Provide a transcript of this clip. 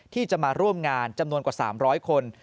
ที่จะมาร่วมงานจำนวนกว่า๓๐๐คน